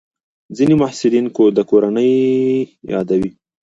ځینې محصلین د کورنۍ یادوي.